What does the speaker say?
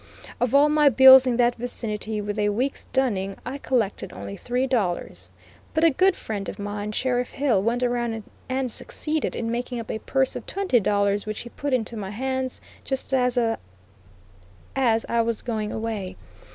Of all my bills in that vicinity, with a week's dunning, I collected only three dollars; but a good friend of mine, Sheriff Hill, went around and succeeded in making up a purse of twenty dollars which he put into my hands just as I was going away.